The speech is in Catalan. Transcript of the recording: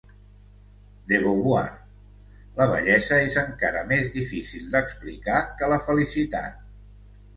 De Beauvoir: la bellesa és encara més difícil d'explicar que la felicitat.